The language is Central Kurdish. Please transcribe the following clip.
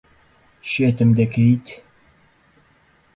شێتم دەکەیت.